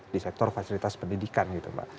di sektor fasilitas pendidikan gitu mbak